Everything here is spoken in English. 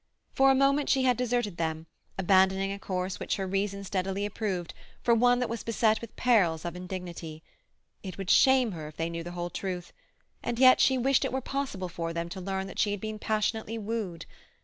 For a moment she had deserted them, abandoning a course which her reason steadily approved for one that was beset with perils of indignity. It would shame her if they knew the whole truth—and yet she wished it were possible for them to learn that she had been passionately wooed.